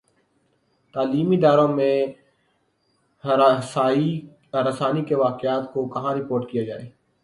تعلیمی اداروں میں ہراسانی کے واقعات کو کہاں رپورٹ کیا جائے